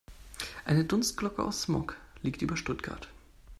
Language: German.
Eine Dunstglocke aus Smog liegt über Stuttgart.